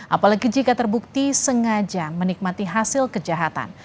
apalagi jika terbukti sengaja menikmati hasil kejahatan